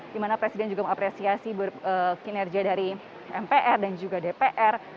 di mana presiden juga mengapresiasi kinerja dari mpr dan juga dpr